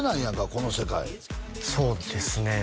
この世界そうですね